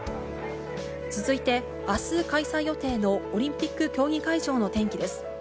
続いて、あす開催予定のオリンピック競技会場の天気です。